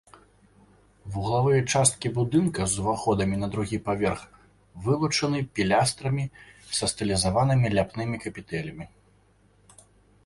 Вуглавыя часткі будынка з уваходамі на другі паверх вылучаны пілястрамі са стылізаванымі ляпнымі капітэлямі.